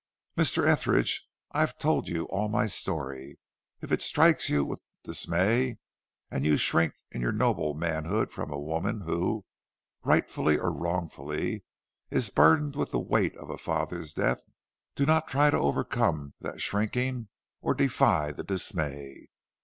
"Mr. Etheridge, I have told you all my story. If it strikes you with dismay and you shrink in your noble manhood from a woman whom, rightfully or wrongfully, is burdened with the weight of a father's death, do not try to overcome that shrinking or defy that dismay.